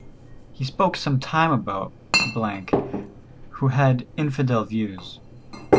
He spoke some time about ——, who had infidel views.